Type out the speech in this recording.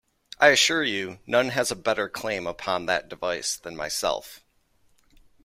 I assure you, none has a better claim upon that device than myself.